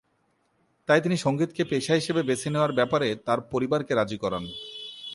তাই তিনি সংগীতকে পেশা হিসেবে বেছে নেয়ার ব্যাপারে তাঁর পরিবারকে রাজি করান।